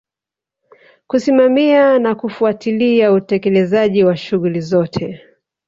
Kusimamia na kufuatilia utekelezaji wa shughuli zote